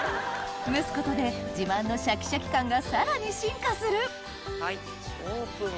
蒸すことで自慢のシャキシャキ感がさらに進化するはいオープン。